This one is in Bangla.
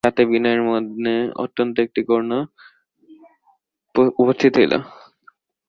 ইহাতে বিনয়ের মনে অত্যন্ত একটি করুণা উপস্থিত হইল।